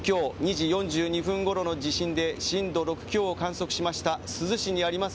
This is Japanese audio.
２時４２分ごろの地震で震度６強を観測しました珠洲市にあります